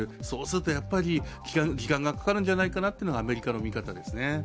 そうすると時間がかかるんじゃないかなというのがアメリカの見方ですよね。